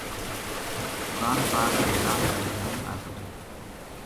قرآن پاک رمضان کا مہینہ ما نازل ہویو۔